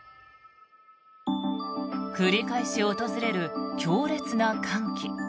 繰り返し訪れる強烈な寒気。